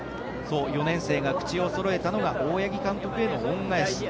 ４年生が口をそろえたのが大八木監督への恩返し。